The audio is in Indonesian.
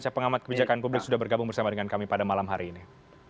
saya pengamat kebijakan publik sudah bergabung bersama dengan kami pada malam hari ini